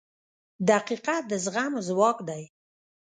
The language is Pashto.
• دقیقه د زغم ځواک دی.